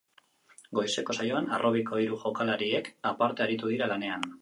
Goizeko saioan harrobiko hiru jokalariek aparte aritu dira lanean.